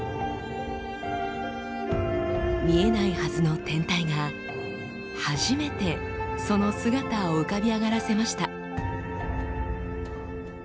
見えないはずの天体が初めてその姿を浮かび上がらせました。